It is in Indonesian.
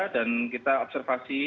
dan kita observasi